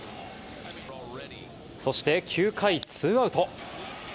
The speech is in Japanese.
そして９回、２アウト。